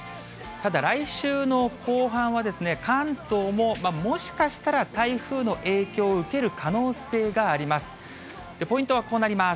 ただ、来週の後半は、関東ももしかしたら台風の影響を受ける可能性があります。